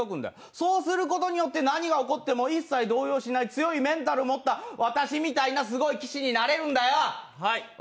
そうすることによって何が起こっても一切動揺しない強いメンタルを持った私みたいな強い棋士に強い棋士になれるんだよ。